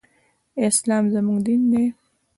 اسلام زمونږ دين دی.